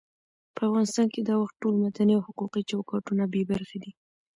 په افغانستان کې دا وخت ټول مدني او حقوقي چوکاټونه بې برخې دي.